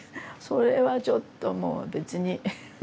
それはちょっともう別に。